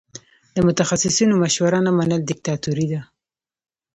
د متخصصینو مشوره نه منل دیکتاتوري ده.